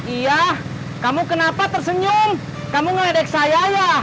iya kamu kenapa tersenyum kamu ngadek saya ya